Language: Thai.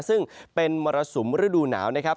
ซึ่งเป็นมรสุมฤดูหนาวนะครับ